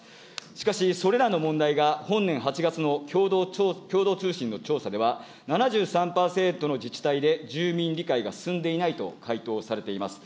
しかし、それらの問題が本年８月の共同通信の調査では、７３％の自治体で住民理解が進んでいないと回答されています。